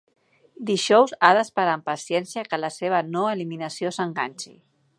Dijous ha d'esperar amb paciència que la seva no eliminació "s'enganxi".